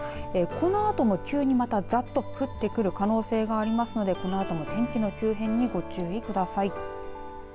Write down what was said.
このあと急にざっと降ってくる可能性がありますのでこのあとも天気の急変にご注意ください。